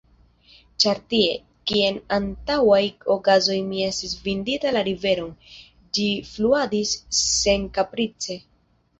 Ĉar tie, kie en antaŭaj okazoj mi estis vidinta la riveron, ĝi fluadis senkaprice.